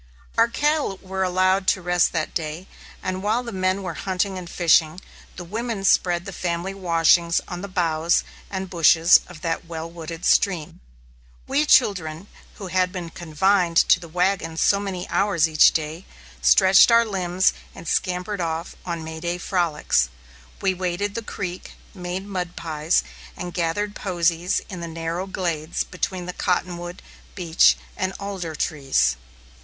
Our cattle were allowed to rest that day; and while the men were hunting and fishing, the women spread the family washings on the boughs and bushes of that well wooded stream. We children, who had been confined to the wagon so many hours each day, stretched our limbs, and scampered off on Mayday frolics. We waded the creek, made mud pies, and gathered posies in the narrow glades between the cottonwood, beech, and alder trees.